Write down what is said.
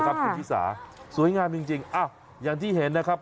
แมวอะมีทุกช่วงชนมีที่ที่ไหนก็มีแมวอะไรอย่างเนี่ยครับ